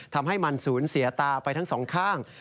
ทำให้มันสูญเสียตาไปทั้งสองข้าง